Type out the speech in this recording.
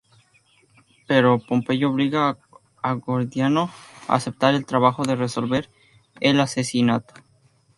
Pero Pompeyo obliga a Gordiano a aceptar el trabajo de resolver el asesinato.